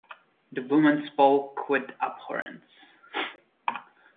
The woman spoke with abhorrence.